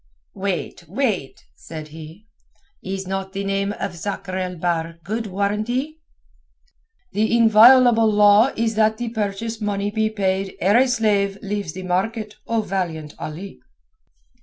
"Wait wait," said he, "is not the name of Sakr el Bahr good warranty?" "The inviolable law is that the purchase money be paid ere a slave leaves the market, O valiant Ali."